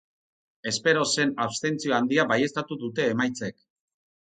Espero zen abstentzio handia baieztatu dute emaitzek.